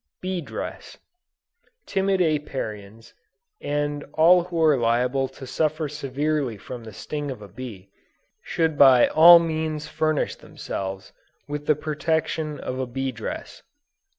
BEE DRESS. Timid Apiarians, and all who are liable to suffer severely from the sting of a bee, should by all means furnish themselves with the protection of a bee dress.